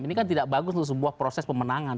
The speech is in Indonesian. ini kan tidak bagus untuk sebuah proses pemenangan